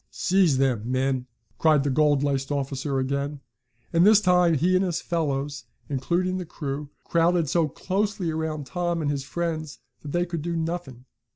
"Seize them, men!" cried the gold laced officer again, and this time he and his fellows, including the crew, crowded so closely around Tom and his friends that they could do nothing.